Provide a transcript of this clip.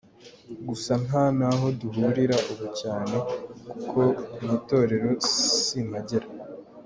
Gusa nta n’aho duhurira ubu cyane kuko mu itorero simpagera.